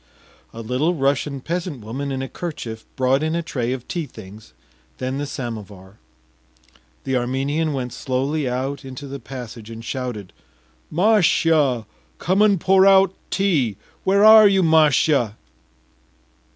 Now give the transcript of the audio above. A Little Russian peasant woman in a kerchief brought in a tray of tea things, then the samovar. The Armenian went slowly out into the passage and shouted: “Mashya, come and pour out tea! Where are you, Mashya?